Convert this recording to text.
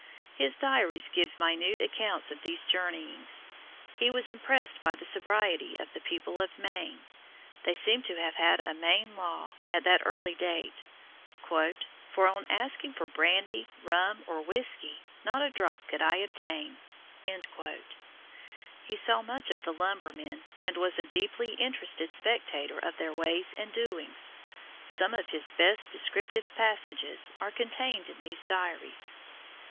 His diaries give minute accounts of these journeyings. He was impressed by the sobriety of the people of Maine; they seem to have had a "Maine law" at that early date; "for on asking for brandy, rum, or whiskey, not a drop could I obtain." He saw much of the lumbermen and was a deeply interested spectator of their ways and doings. Some of his best descriptive passages are contained in these diaries.